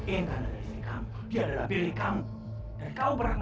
intan adalah istri kamu dia adalah pilih kamu